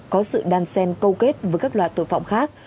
có sự đan sen câu kết với các loại tội phạm khác